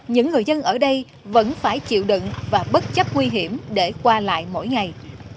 những người dân ở đây vẫn phải chịu đựng và bất chấp nguy hiểm để qua lại mỗi ngày